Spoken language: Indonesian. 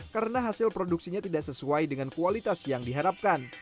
karena hasil produksinya tidak sesuai dengan kualitas yang diharapkan